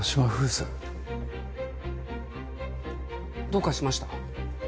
どうかしました？